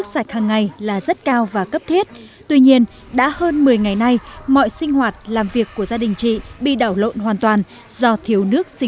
xin chào và hẹn gặp lại